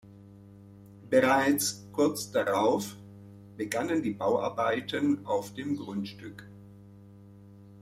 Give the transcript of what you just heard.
Bereits kurz darauf begannen die Bauarbeiten auf dem Grundstück.